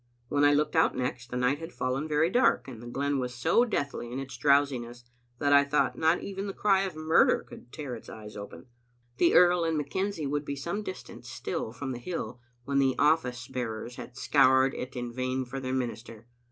When I looked out next, the night had fallen very dark, and the glen was so deathly in its drowsiness that I thought not even the cry of murder could tear its eyes open. The earl and McKenzie would be some distance still Digitized by VjOOQ IC tt)ariott0 Aobice ConvcxHng* M8 from the hill when the office bearers had scoured it in vain for their minister.